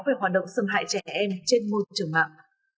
về hoạt động xâm hại trẻ em trên môi trường mạng